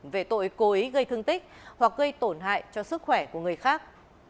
về tội cố ý gây thương tích hoặc gây tổn hại cho sức khỏe của người khác